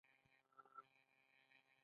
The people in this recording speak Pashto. د خپلو خلکو له امله.